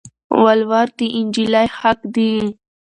ولوړ د انجلی حق دي